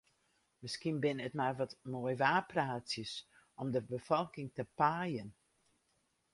Miskien binne it mar wat moaiwaarpraatsjes om de befolking te paaien.